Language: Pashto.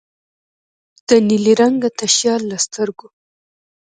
د نیلي رنګه تشیال له سترګو